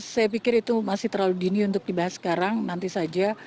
saya pikir itu masih terlalu dini untuk dibahas sekarang nanti saja